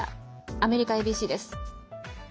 アメリカＡＢＣです。